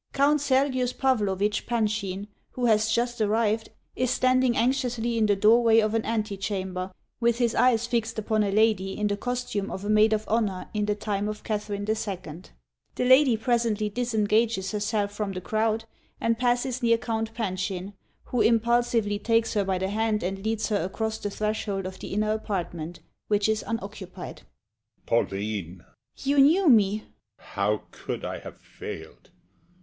Count SERGIUS PAVLOVICH PANSHINE, who has just arrived, is standing anxiously in the doorway of an antechamber with his eyes fixed upon a lady in the costume of a maid of honor in the time of Catherine II. The lady presently disengages herself from the crowd, and passes near Count PANSHINE, who impulsively takes her by the hand and leads her across the threshold of the inner apartment, which is unoccupied. HE. Pauline! SHE. You knew me? HE. How could I have failed?